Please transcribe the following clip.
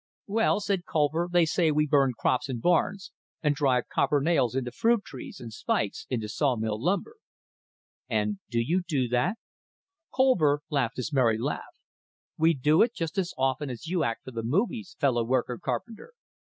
"Well," said Colver, "they say we burn crops and barns, and drive copper nails into fruit trees, and spikes into sawmill lumber." "And do you do that?" Colver laughed his merry laugh. "We do it just as often as you act for the movies, Fellow worker Carpenter!"